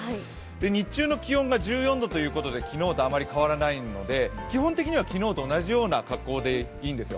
日中の気温が１４度ということで昨日とあまり変わらないので基本的には昨日と同じような格好でいいんですよ。